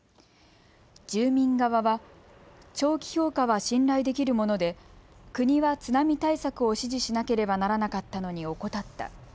住民側は、長期評価は信頼できるもので国は津波対策を指示しなければならなかったのに怠った。